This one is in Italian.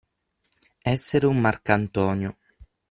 Essere un marcantonio.